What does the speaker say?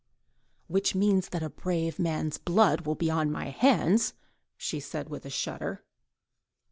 "Which means that a brave man's blood will be on my hands," she said, with a shudder.